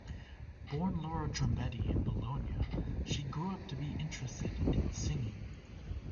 Born Laura Trombetti in Bologna, she grew up to be interested in singing.